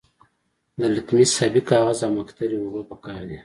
د لتمس ابي کاغذ او مقطرې اوبه پکار دي.